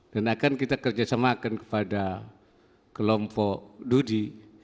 dan akan kita kerjasamakan kepada kelompok dudi